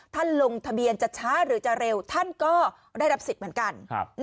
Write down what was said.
ท่านลงทะเบียนจะช้าหรือจะเร็วท่านก็ได้รับสิทธิ์เหมือนกัน